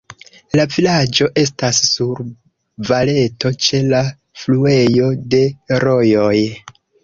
La vilaĝo estas sur valeto, ĉe la fluejo de rojoj.